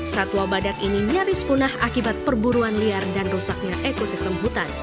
satwa badak ini nyaris punah akibat perburuan liar dan rusaknya ekosistem hutan